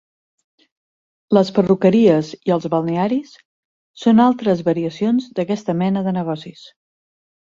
Les perruqueries i els balnearis són altres variacions d'aquesta mena de negocis.